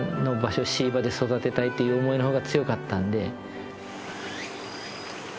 椎葉で育てたいっていう思いのほうが強かったので。